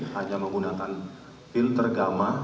hanya menggunakan filter gama